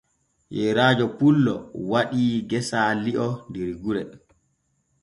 Yeyraajo pullo waɗii gesaa li'o der gure.